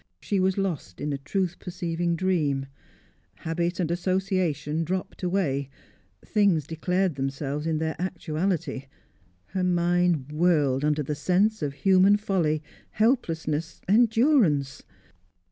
She was lost in a truth perceiving dream. Habit and association dropped away; things declared themselves in their actuality; her mind whirled under the sense of human folly, helplessness, endurance.